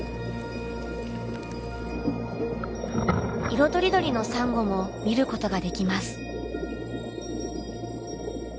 色とりどりのサンゴも見ることができます。